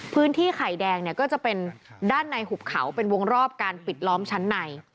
ไข่แดงเนี่ยก็จะเป็นด้านในหุบเขาเป็นวงรอบการปิดล้อมชั้นใน